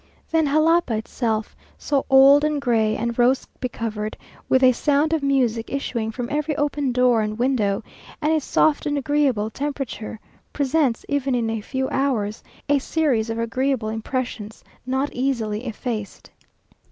Then Jalapa itself, so old and gray, and rose becovered, with a sound of music issuing from every open door and window, and its soft and agreeable temperature, presents, even in a few hours, a series of agreeable impressions not easily effaced.